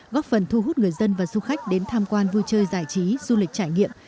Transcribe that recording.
góp phần thu hút người dân và du khách đến tham quan vui chơi giải trí du lịch trải nghiệm